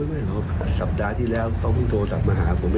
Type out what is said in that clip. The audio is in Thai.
หุ่งว้างไม๊หรอสัปดาห์ที่แล้วก็เพิ่งโทรสัมมาหาผม